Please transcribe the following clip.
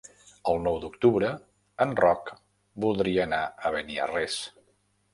El nou d'octubre en Roc voldria anar a Beniarrés.